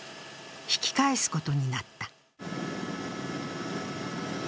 引き返すことになった。